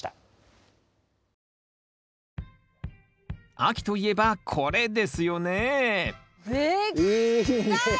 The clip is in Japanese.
秋といえばこれですよねでっかい！